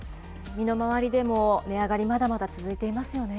身の回りでも値上がり、まだまだ続いていますよね。